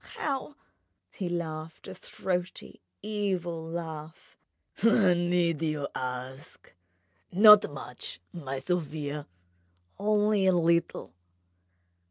"How?" He laughed a throaty, evil laugh. "Need you ask? Not much, my Sofia ... only a little